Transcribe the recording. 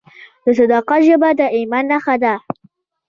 د صداقت ژبه د ایمان نښه ده.